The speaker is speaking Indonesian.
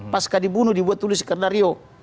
pasca dibunuh dibuat tulis skenario